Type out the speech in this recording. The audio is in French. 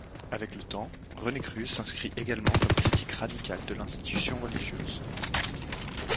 Avec le temps, René Cruse s'inscrit également comme critique radical de l'institution religieuse.